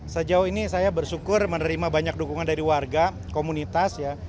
sejauh ini saya bersyukur menerima banyak dukungan dari warga komunitas ya